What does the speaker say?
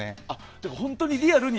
じゃあ、本当にリアルに。